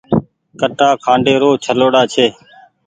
ڪٽآ کآنڊي رو ڇلوڙآ چي۔